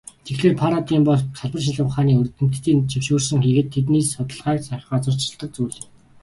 Тэгэхлээр, парадигм бол салбар шинжлэх ухааны эрдэмтдийн зөвшөөрсөн хийгээд тэдний судалгааг газарчилдаг зүйл юм.